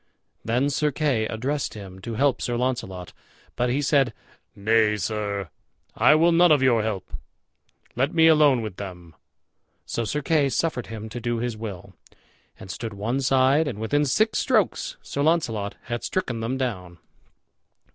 Then Sir Kay addressed him to help Sir Launcelot, but he said, "Nay, sir, I will none of your help; let me alone with them." So Sir Kay suffered him to do his will, and stood one side. And within six strokes Sir Launcelot had stricken them down.